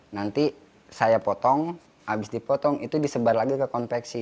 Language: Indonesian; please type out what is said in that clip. nanti saya potong habis dipotong itu disebar lagi ke konveksi